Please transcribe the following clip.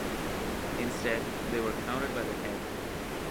Instead, they were "counted by the head".